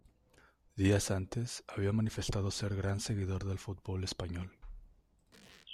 Días antes, había manifestado ser gran seguidor del fútbol español.